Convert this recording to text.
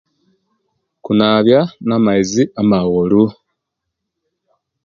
Kunabya namaizi amawolu